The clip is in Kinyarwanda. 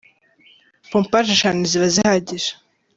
pompaje eshanu ziba zihagije.